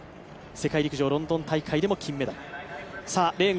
世界陸上ロンドン大会でも金メダル。